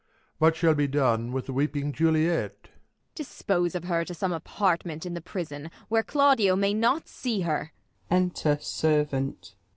What shall be done with the weeping Juliet 1 Ang. Dispose of her to some apartment in The j)rison, where Claudio may not see her. Enter Servant.